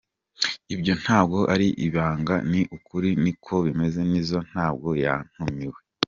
Ibyo ntabwo ari ibanga, ni ukuri, niko bimeze, Nizzo ntabwo yatumiwe.